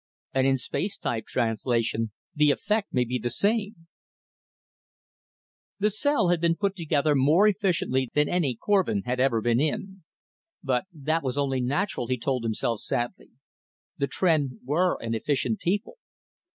And in space type translation ... the effect may be the same!_ Illustrated by Schoenherr The cell had been put together more efficiently than any Korvin had ever been in. But that was only natural, he told himself sadly; the Tr'en were an efficient people.